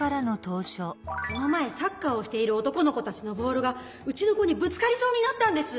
この前サッカーをしている男の子たちのボールがうちの子にぶつかりそうになったんです！